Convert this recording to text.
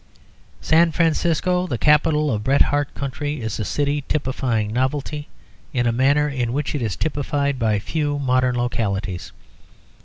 San Francisco, the capital of the Bret Harte country, is a city typifying novelty in a manner in which it is typified by few modern localities.